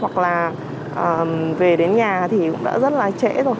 hoặc là về đến nhà thì cũng đã rất là trễ rồi